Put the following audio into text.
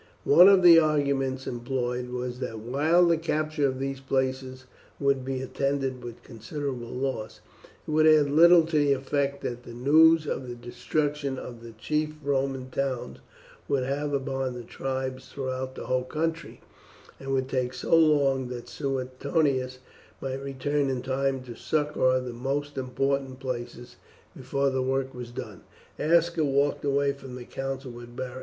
One of the arguments employed was that while the capture of these places would be attended with considerable loss, it would add little to the effect that the news of the destruction of the chief Roman towns would have upon the tribes throughout the whole country, and would take so long that Suetonius might return in time to succour the most important places before the work was done. Aska walked away from the council with Beric.